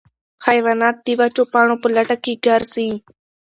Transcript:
حیوانات د وچو پاڼو په لټه کې ګرځي.